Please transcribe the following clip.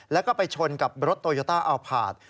และก็ไปชนกับรถโตยตาแอลปราท